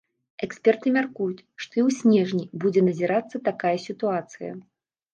Эксперты мяркуюць, што і ў снежні будзе назірацца такая сітуацыя.